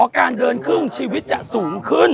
การเดินครึ่งชีวิตจะสูงขึ้น